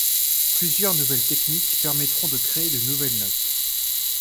Plusieurs nouvelles techniques permettront de créer de nouvelles notes.